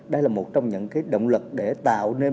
đây là một trong những động lực để tạo nên